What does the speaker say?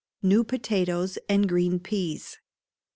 New Potatoes and Green Peas.